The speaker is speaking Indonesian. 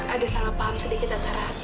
ada salah paham sedikit antara